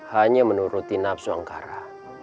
hanya menuruti nafsu angkara